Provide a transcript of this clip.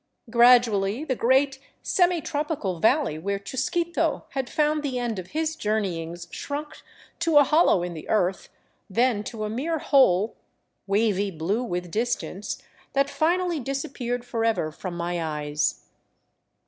Gradually the great, semi tropical valley where Chusquito had found the end of his jour neyings shrunk to a hollow in the earth, then to a mere hole, wavy blue with distance, that finally disappeared forever from my eyes.